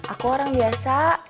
aku orang biasa